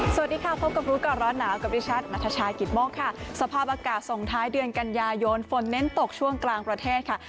สวัสดีค่ะพบกับรู้ก่อนร้อนหนาวกับดิฉันนัทชายกิตโมกค่ะสภาพอากาศส่งท้ายเดือนกันยายนฝนเน้นตกช่วงกลางประเทศค่ะ